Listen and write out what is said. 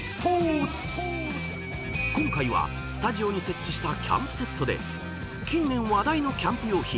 ［今回はスタジオに設置したキャンプセットで近年話題のキャンプ用品